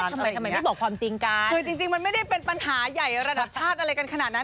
ทำไมทำไมไม่บอกความจริงกันคือจริงจริงมันไม่ได้เป็นปัญหาใหญ่ระดับชาติอะไรกันขนาดนั้น